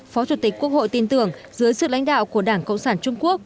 phó chủ tịch quốc hội tin tưởng dưới sự lãnh đạo của đảng cộng sản trung quốc